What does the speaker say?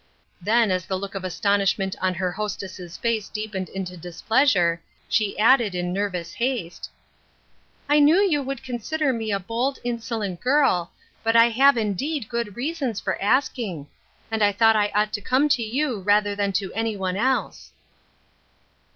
" Then as the look of astonishment on her hostess' face deepened into displeasure, she added in nervous haste, " I knew you would consider me a bold, insolent girl, but I have indeed good reasons for asking ; and I thought I ought to come to you rather than to any one else."